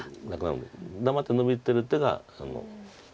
だから黙ってノビてる手が。